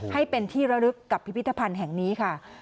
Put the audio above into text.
ให้เป็นที่ระลึกกับพิพิธภัณฑ์แห่งนี้ค่ะ